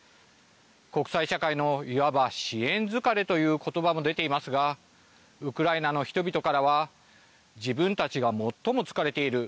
国際社会のいわば支援疲れということばも出ていますがウクライナの人々からは自分たちが最も疲れている。